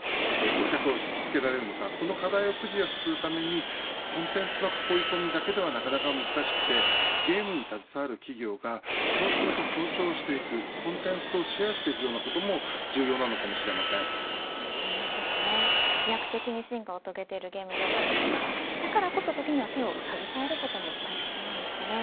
顧客を引きつけられるのかこの課題をクリアするためにコンテンツの囲い込みだけではなかなか難しくてゲームに携わる企業が競争と協調していくコンテンツを増やしていくことも飛躍的に進化を遂げているゲーム業界ですがだからこそ、時には手を携えることも大切なんですね。